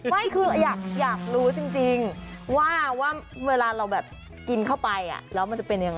ไม่คืออยากรู้จริงว่าเวลาเราแบบกินเข้าไปแล้วมันจะเป็นยังไง